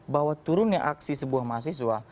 bahwa turunnya aksi sebuah mahasiswa